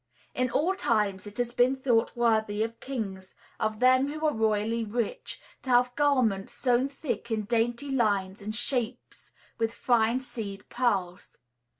In all times it has been thought worthy of kings, of them who are royally rich, to have garments sown thick in dainty lines and shapes with fine seed pearls.